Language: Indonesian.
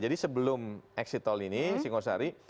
jadi sebelum exit toll ini singosari